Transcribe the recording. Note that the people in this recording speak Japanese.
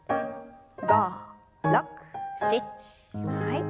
５６７はい。